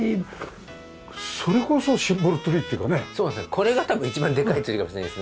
これが多分一番でかいツリーかもしれないですね。